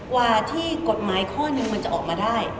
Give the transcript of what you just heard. กว่าที่กฎหมายข้อหนึ่งมันจะออกมาได้